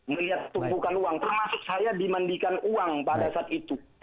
melihat tumpukan uang termasuk saya dimandikan uang pada saat itu